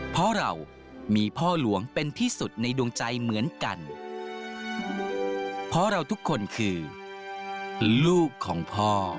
เพราะเรามีพ่อหลวงเป็นที่สุดในดวงใจเหมือนกันเพราะเราทุกคนคือลูกของพ่อ